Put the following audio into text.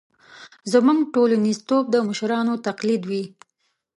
زموږ ټولنیزتوب د مشرانو تقلید وي.